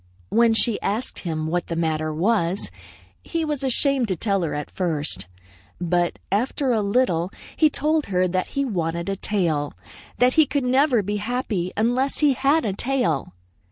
When she asked him what the matter was, he was ashamed to tell her at first. But after a little he told her that he wanted a tail; that he could never again be happy unless he had a tail.